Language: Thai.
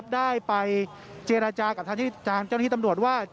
ได้ไปเจรจากับทางเจ้าหน้าที่ตำรวจว่า